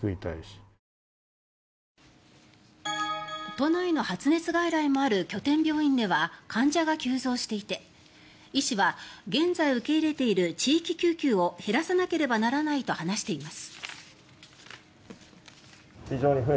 都内の発熱外来もある拠点病院では患者が急増していて医師は現在受け入れている地域救急を減らさなければならないと話しています。